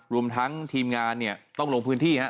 รวมทั้งทีมงานเนี่ยต้องลงพื้นที่ฮะ